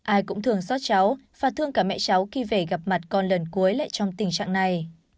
ai cũng thường xót cháu và thương cả mẹ cháu khi về gặp mặt con lần cuối lại trong tình trạng này